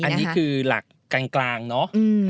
อันนี้คือหลักกลางเนอะ